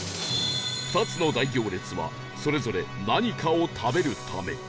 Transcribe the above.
２つの大行列はそれぞれ何かを食べるため